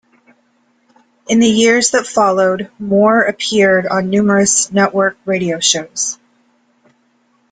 In the years that followed, Moore appeared on numerous network radio shows.